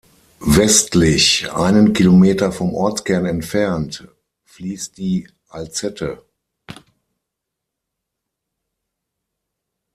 Westlich, einen Kilometer vom Ortskern entfernt, fließt die Alzette.